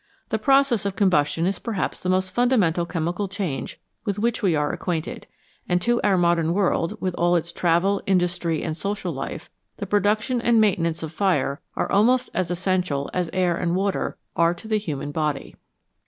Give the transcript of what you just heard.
The process of combustion is perhaps the most fundamental chemical change with which we are acquainted, and to our modern world, with all its travel, industry, and social life, the production and maintenance of fire are almost as essential as air and water are to the human body.